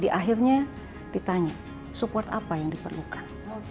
akhirnya ditanya support apa yang diperlukan